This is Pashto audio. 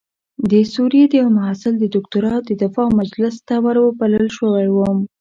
د سوریې د یوه محصل د دکتورا د دفاع مجلس ته وربلل شوی وم.